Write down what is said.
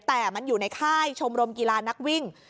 แต่มันอยู่ในค่ายชมรมกีฬานักวิ่ง